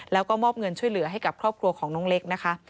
แล้วก็มอบเงินช่วยเหลือให้กับครอบครัวของน้องเล็กนะคะ